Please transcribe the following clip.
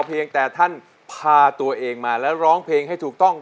เพียงแต่ท่านพาตัวเองมาแล้วร้องเพลงให้ถูกต้อง